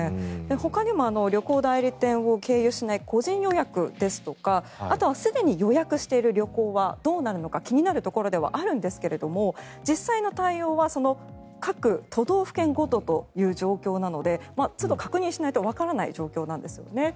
ほかにも旅行代理店を経由しない個人予約ですとかあとはすでに予約している旅行はどうなるのか気になるところではあるんですが実際の対応は各都道府県ごとという状況なのでつど確認しないとわからない状況なんですよね。